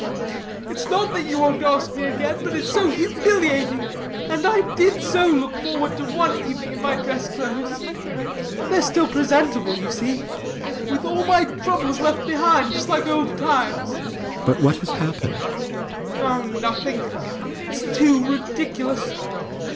It's not that you wont ask me again; but it's so humiliating. And I did so look forward to one evening in my dress clothes (THEYRE still presentable, you see) with all my troubles left behind, just like old times. RIDGEON. But what has happened? BLENKINSOP. Oh, nothing. It's too ridiculous.